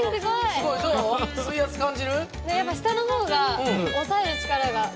やっぱ下の方が押さえる力が強い。